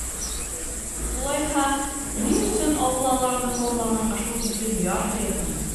Улайһа, ни өсөн Аллаларҙы хурлағанға шул тиклем ярһыйһың?